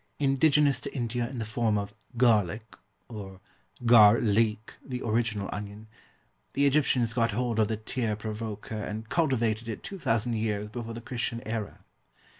Indigenous to India in the form of Garlic (or gar leek, the original onion), the Egyptians got hold of the tear provoker and cultivated it 2000 years before the Christian era.